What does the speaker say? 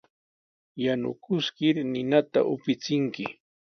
Yanukiskir ninata upichinki.